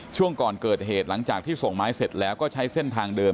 ช่วงก่อนเกิดเหตุหลังจากที่ส่งไม้เสร็จแล้วก็ใช้เส้นทางเดิม